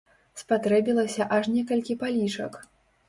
Спатрэбілася аж некалькі палічак!